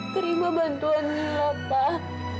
terima bantuan mila pak